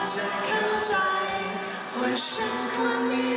นี่เรามีเพื่อนแล้วมาต่างก็ร้องแบ่งไม่พอ